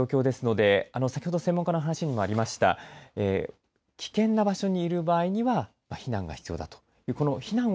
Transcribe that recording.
こういった状況ですので先ほど専門家の話にもありました危険な場所にいる場合には避難が必要だと。